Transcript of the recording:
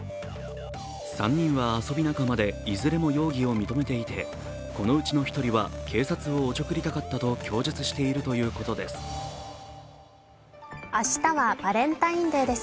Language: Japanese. ３人は遊び仲間で、いずれも容疑を認めていてこのうちの１人は警察をおちょくりたかったと供述しているということです。